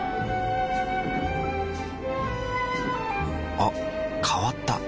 あ変わった。